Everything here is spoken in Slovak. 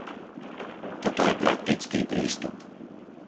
Toto je praktický prístup.